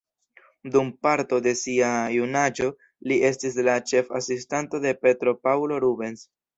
Dum parto de sia junaĝo li estis la ĉef-asistanto de Petro Paŭlo Rubens.